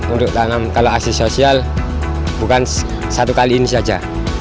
untuk tanam kalau aksi sosial bukan satu kali ini saja